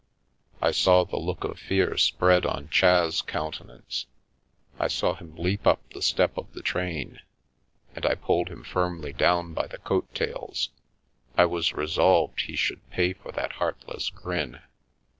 I saw the look of fear spread on Chas* coun tenance, I saw him leap up the step of the train, and I pulled him firmly down by the coat tails. I was resolved he should pay for that heartless grin.